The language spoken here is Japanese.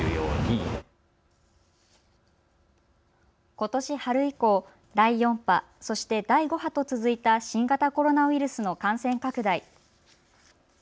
ことし春以降、第４波、そして第５波と続いた新型コロナウイルスの感染拡大。